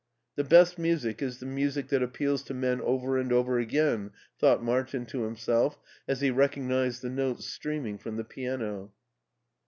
" The best music is the music that appeals to men over and over again," thought Martin to himself as he recognizee! the notes streaming from the piano.